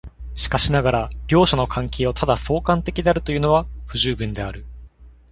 しかしながら両者の関係をただ相関的であるというのは不十分である。